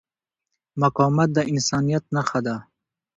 مقاومت د انسانیت نښه ده.